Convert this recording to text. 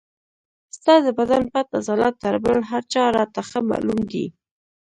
ستا د بدن پټ عضلات تر بل هر چا راته ښه معلوم دي.